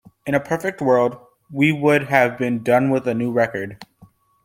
In a perfect world, we would have been done with a new record.